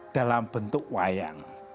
dalam bentuk wayang